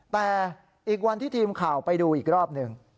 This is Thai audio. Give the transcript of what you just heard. แต่อีกวันที่ทีมข่าวไปดูอีกรอบหนึ่ง